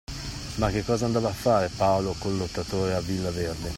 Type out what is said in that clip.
Ma che cosa andava a fare Paolo col Lottatore a Villa Verde?